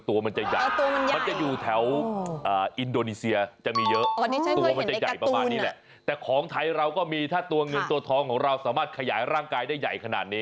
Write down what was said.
ตัวมันจะใหญ่ประมาณนี้แหละแต่ของไทยเราก็มีถ้าตัวเงินตัวท้องของเราสามารถขยายร่างกายได้ใหญ่ขนาดนี้